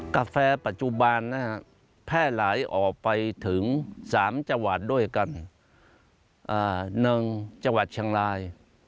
กาแฟปัจจุบันน่ะฮะแพร่ไหลออกไปถึงสามจวาดด้วยกันอ่าหนึ่งจังหลาย